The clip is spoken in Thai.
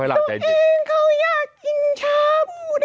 ลองทมา